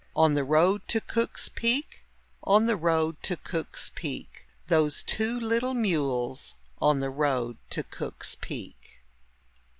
On the road to Cook's Peak, On the road to Cook's Peak, Those two little mules on the road to Cook's Peak.